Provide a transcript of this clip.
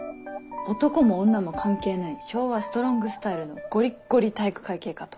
男も女も関係ない昭和ストロングスタイルのゴリッゴリ体育会系かと。